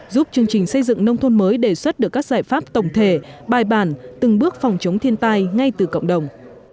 giúp chương trình xây dựng nông thôn mới đề xuất được các giải pháp tổng thể bài bản từng bước phòng chống thiên tai ngay từ cộng đồng